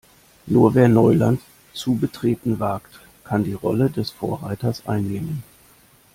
Nur wer Neuland zu betreten wagt, kann die Rolle des Vorreiters einnehmen.